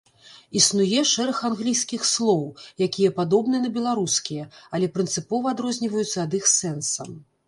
Існуе шэраг англійскіх слоў, якія падобны на беларускія, але прынцыпова адрозніваюцца ад іх сэнсам.